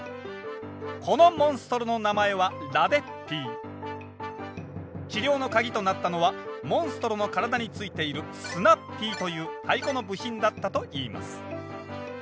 このモンストロの名前は治療の鍵となったのはモンストロの体に付いているスナッピーという太鼓の部品だったといいます。